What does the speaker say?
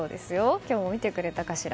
今日も見てくれたかしら。